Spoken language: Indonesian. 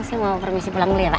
saya mau permisi pulang dulu ya pa